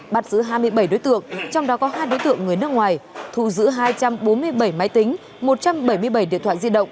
bắt giữ hai mươi bảy đối tượng trong đó có hai đối tượng người nước ngoài thu giữ hai trăm bốn mươi bảy máy tính một trăm bảy mươi bảy điện thoại di động